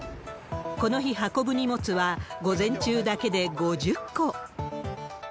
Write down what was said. この日運ぶ荷物は、午前中だけで５０個。